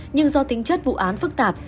nhưng do tính chất vụ án phức tạp